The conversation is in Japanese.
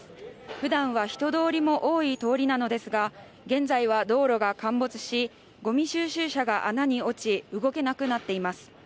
普段は人通りも多い通りなのですが現在は道路が陥没しごみ収集車が穴に落ち動けなくなっています